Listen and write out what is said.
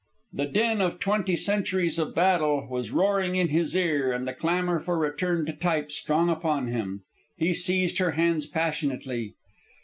The din of twenty centuries of battle was roaring in his ear, and the clamor for return to type strong upon him. He seized her hands passionately.